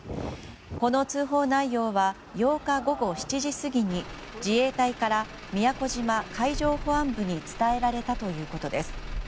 この通報内容は８日午後７時過ぎに自衛隊から宮古島海上保安部に伝えられたということです。